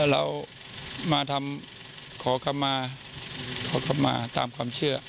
เรามาทำขอคำมาขอคำมาตามความเชื่อ